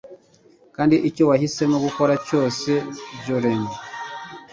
kandi icyo wahisemo gukora cyose, jolene